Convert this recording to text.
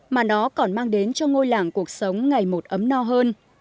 mà nó còn mang đến cho ngôi làng cuộc sống ngày một ấm no hơn